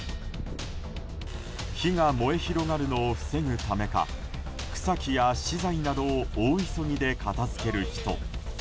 火が燃え広がるのを防ぐためか草木や資材などを大急ぎで片づける人。